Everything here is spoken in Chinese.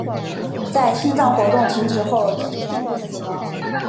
在心脏活动停止后即宣布死亡。